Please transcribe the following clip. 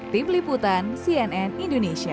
tim liputan cnn indonesia